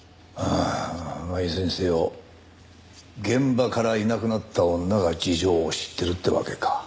あいずれにせよ現場からいなくなった女が事情を知ってるってわけか。